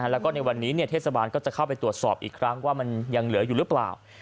แล้วก็ในวันนี้เทศบาลก็จะเข้าไปตรวจสอบอีกครั้งว่ามันยังเหลืออยู่หรือเปล่า